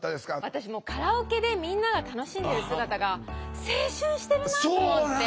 私もうカラオケでみんなが楽しんでる姿が青春してるなと思って。